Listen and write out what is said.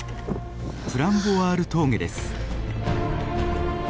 プラン・ヴォワール峠です。